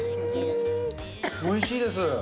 おいしいです。